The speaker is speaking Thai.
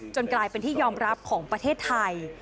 กลายเป็นที่ยอมรับของประเทศไทย